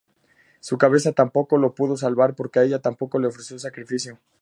Su cabeza tampoco lo pudo salvar porque a ella tampoco le ofreció sacrificio.